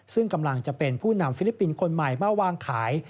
ซึ่งกำลังจะเป็นผู้นำฟิลิปปินส์คนใหม่มาวางขาย